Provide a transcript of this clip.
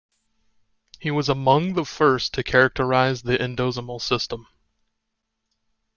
He was among the first to characterize the endosomal system.